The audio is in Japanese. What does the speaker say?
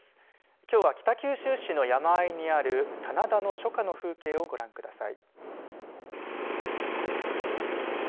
きょうは北九州市の山あいにある棚田の初夏の風景をご覧ください。